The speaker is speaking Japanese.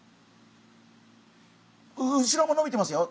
後ろものびてますよ